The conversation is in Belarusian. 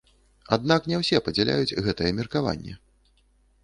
Аднак не ўсе падзяляюць гэтае меркаванне.